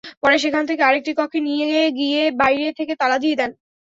পরে সেখান থেকে আরেকটি কক্ষে নিয়ে গিয়ে বাইরে থেকে তালা দিয়ে দেন।